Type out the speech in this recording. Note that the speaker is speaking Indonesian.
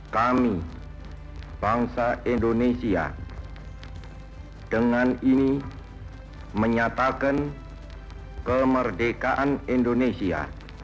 kami bangsa indonesia dengan ini menyatakan kemerdekaan indonesia